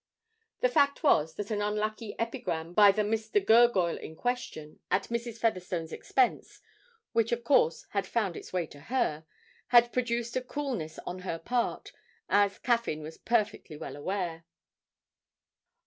The fact was that an unlucky epigram by the Mr. Gurgoyle in question at Mrs. Featherstone's expense, which of course had found its way to her, had produced a coolness on her part, as Caffyn was perfectly well aware.